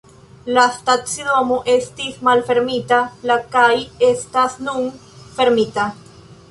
La stacidomo estis malfermita la kaj estas nun fermita.